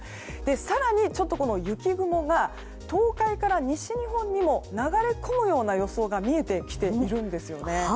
更に、雪雲が東海から西日本にも流れ込むような予想が見えてきているんですね。